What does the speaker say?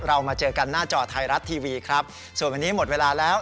มาเจอกันหน้าจอไทยรัฐทีวีครับส่วนวันนี้หมดเวลาแล้ว